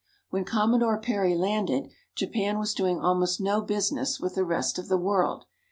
When Commodore Perry landed, Japan was doing almost no business with the rest of the world.